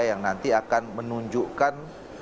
yang nanti akan menunjukkan